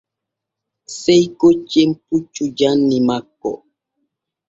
Sey koccen puccu janni makko.